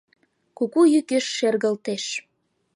Куку йӱкеш шергылтеш.